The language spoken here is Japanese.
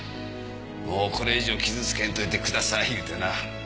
もうこれ以上傷つけんといてくださいいうてな。